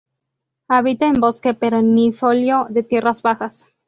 Habita en bosque perennifolio de tierras bajas.